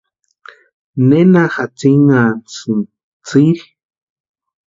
¿Nena jatsinnhasïnki tsiri?